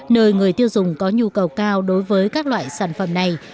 nơi người tiêu dùng có nhu cầu cao đối với các loại sản phẩm này